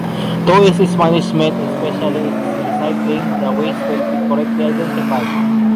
To ease its management and especially its recycling, the waste will be correctly identified.